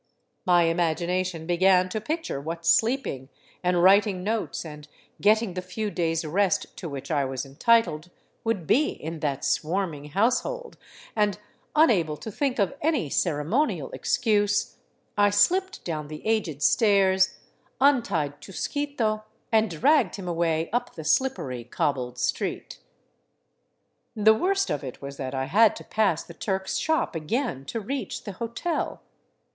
My imagination began to picture what sleeping, and writing notes, and getting the few days' rest to which I was entitled, would be in that swarming house hold, and unable to think of any ceremonial excuse, I slipped down the aged stairs, untied Chusquito, and dragged him away up the slippery cobbled street. The worst of it was that I had to pass the " Turk's " shop again to reach the hotel.